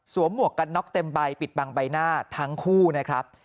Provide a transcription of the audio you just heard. หมวกกันน็อกเต็มใบปิดบังใบหน้าทั้งคู่นะครับ